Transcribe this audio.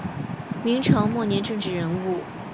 明朝末年政治人物。